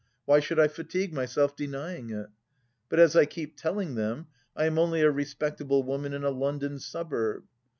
Why should I fatigue myself denying it ? But as I keep telling them, I am only a respect able woman in a London suburb.